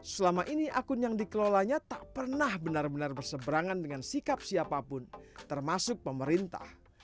selama ini akun yang dikelolanya tak pernah benar benar berseberangan dengan sikap siapapun termasuk pemerintah